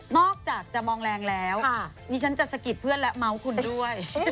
อกจากจะมองแรงแล้วดิฉันจะสะกิดเพื่อนและเมาส์คุณด้วย